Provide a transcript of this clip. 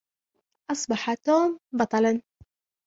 أصبح توم بطلا.